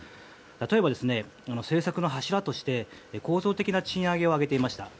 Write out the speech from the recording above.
例えば、政策の柱として構造的な賃上げを挙げていました。